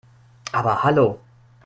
Aber hallo!